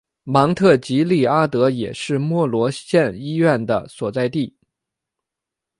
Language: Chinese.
芒特吉利阿德也是莫罗县医院的所在地。